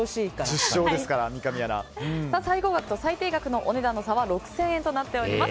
最高額と最低額のお値段の差は６０００円となっております。